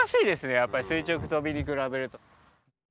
やっぱり垂直跳びに比べると。